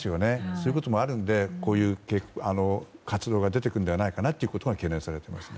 そういうこともあるのでこういう活動が出てくるのではないかと懸念されています。